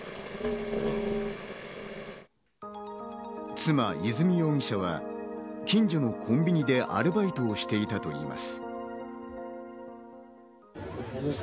妻・和美容疑者は近所のコンビニでアルバイトをしていたといいます。